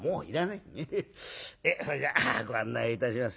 えっそれじゃご案内をいたします。